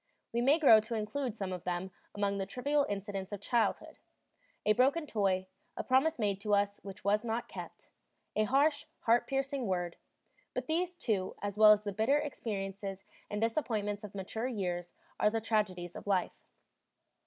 We may grow to include some of them among the trivial incidents of childhood a broken toy, a promise made to us which was not kept, a harsh, heart piercing word but these, too, as well as the bitter experiences and disappointments of mature years, are the tragedies of life.